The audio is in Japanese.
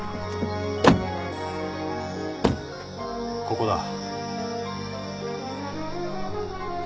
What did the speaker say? ここだ。